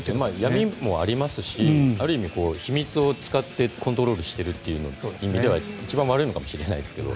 闇もありますしある意味、秘密を使ってコントロールしているという意味では一番悪いのかもしれないですけど。